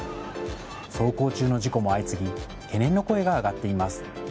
走行中の事故も相次ぎ懸念の声が上がっています。